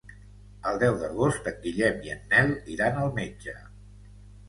El deu d'agost en Guillem i en Nel iran al metge.